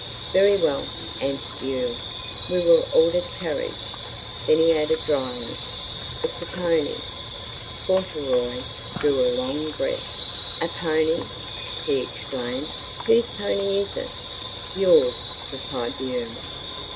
"Very well," answered the Earl. "We will order the carriage." Then he added dryly, "It's a pony." Fauntleroy drew a long breath. "A pony!" he exclaimed. "Whose pony is it?" "Yours," replied the Earl.